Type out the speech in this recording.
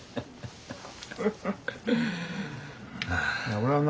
俺はな